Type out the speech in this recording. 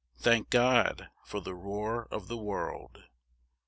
Thank God for the roar of the world!